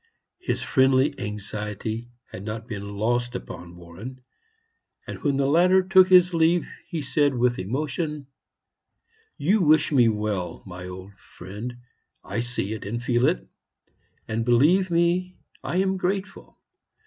His friendly anxiety had not been lost upon Warren; and when the latter took his leave, he said with emotion: "You wish me well, my old friend, I see it and feel it; and, believe me, I am grateful.